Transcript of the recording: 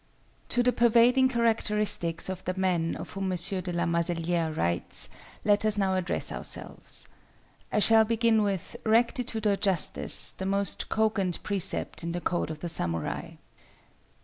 To the pervading characteristics of the men of whom M. de la Mazelière writes, let us now address ourselves. I shall begin with RECTITUDE OR JUSTICE, the most cogent precept in the code of the samurai.